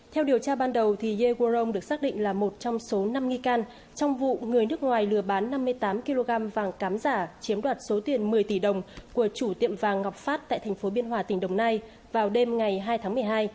theo điều tra ban đầu yegrong được xác định là một trong số năm nghi can trong vụ người nước ngoài lừa bán năm mươi tám kg vàng cám giả chiếm đoạt số tiền một mươi tỷ đồng của chủ tiệm vàng ngọc phát tại thành phố biên hòa tỉnh đồng nai vào đêm ngày hai tháng một mươi hai